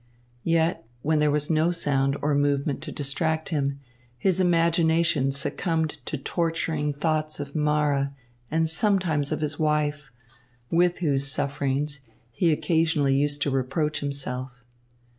Yet, when there was no sound or movement to distract him, his imagination succumbed to torturing thoughts of Mara and sometimes of his wife, with whose sufferings he occasionally used to reproach himself.